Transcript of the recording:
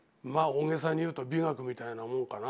大げさに言うと美学みたいなもんかな。